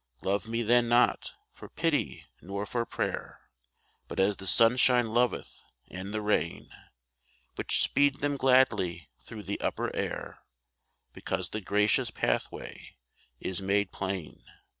Love me then not, for pity nor for prayer, But as the sunshine loveth and the rain, Which speed them gladly through the upper air Because the gracious pathway is made plain.